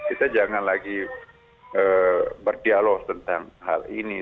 kita jangan lagi berdialog tentang hal ini